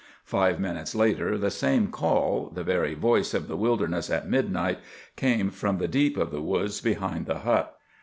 Five minutes later the same call, the very voice of the wilderness at midnight, came from the deep of the woods behind the hut.